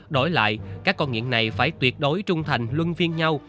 đổi lại các con nghiện này phải tuyệt đối trung thành luân phiên nhau